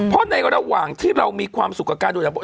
เพราะในระหว่างที่เรามีความสุขกับการดูแล